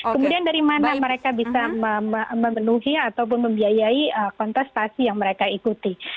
kemudian dari mana mereka bisa memenuhi ataupun membiayai kontestasi yang mereka ikuti